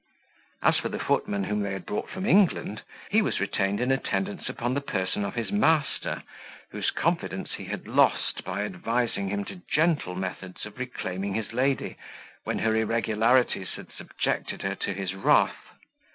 As for the footman whom they had brought from England, he was retained in attendance upon the person of his master, whose confidence he had lost by advising him to gentle methods of reclaiming his lady, when her irregularities had subjected her to his wrath.